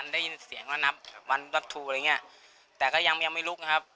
ได้ยินเสียงนับ๑๒อะไรอย่างนี้แต่ก็ยังไม่ลุกนะครับ